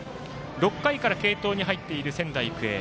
６回から継投に入っている仙台育英。